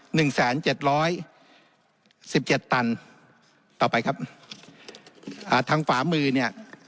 หนึ่งแสนเจ็ดร้อยสิบเจ็ดตันต่อไปครับอ่าทางฝามือเนี้ย